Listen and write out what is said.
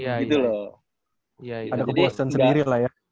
ada kepuasan sendiri lah ya